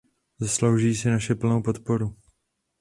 Zaslouží si naši plnou podporu.